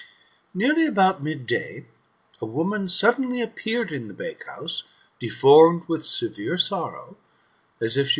Nearly about midday, a woman suddenly appeared in the bakehouse, deformed with severe sorrow, as if she wa?